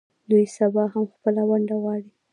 دوی سبا هم خپله ونډه غواړي.